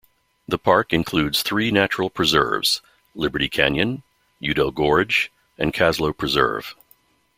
The park includes three natural preserves: Liberty Canyon, Udell Gorge, and Kaslow Preserve.